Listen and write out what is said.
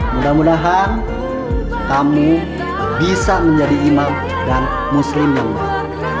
mudah mudahan kamu bisa menjadi imam dan muslim yang baik